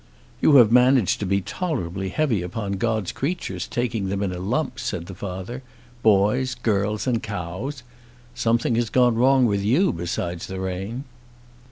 "You have managed to be tolerably heavy upon God's creatures, taking them in a lump," said the father. "Boys, girls, and cows! Something has gone wrong with you besides the rain."